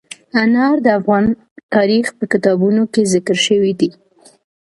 انار د افغان تاریخ په کتابونو کې ذکر شوی دي.